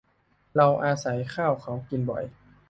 เราอาศัยข้าวเขากินบ่อย